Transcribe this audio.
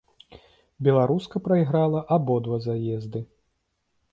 Беларуска прайграла абодва заезды.